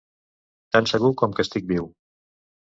Tan segur com que estic viu.